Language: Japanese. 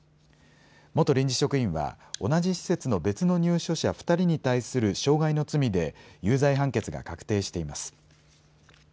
元臨時職員は同じ施設の別の入所者２人に対する傷害の罪で有罪判決が確定しています。